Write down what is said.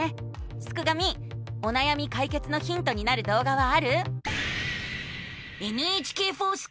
すくがミおなやみかいけつのヒントになるどう画はある？